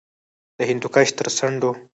د هندوکش تر څنډو